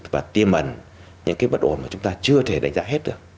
và tiêm ẩn những cái bất ổn mà chúng ta chưa thể đánh giá hết được